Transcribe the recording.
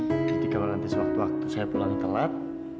jadi kalau nanti sewaktu waktu saya pulang telat